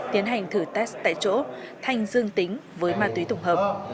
tiến hành thử test tại chỗ thanh dương tính với ma túy tổng hợp